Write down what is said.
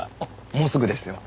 もうすぐですよ。